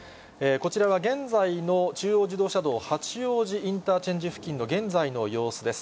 こちらは現在の中央自動車道八王子インターチェンジ付近の現在の様子です。